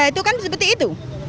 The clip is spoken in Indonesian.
itu kan seperti itu